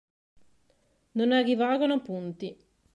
Non arrivarono punti.